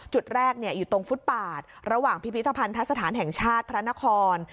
จุดแรกอยู่ตรงฟุตปาดระหว่างพิพิธภัณฑสถานแห่งชาติพระนคร